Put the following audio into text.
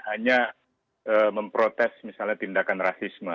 hanya memprotes misalnya tindakan rasisme